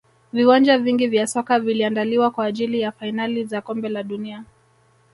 viwanja vingi vya soka viliandaliwa kwa ajili ya fainali za kombe la dunia